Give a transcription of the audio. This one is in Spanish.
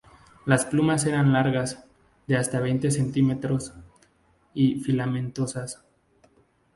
Las plumas eran largas, de hasta veinte centímetros, y filamentosas.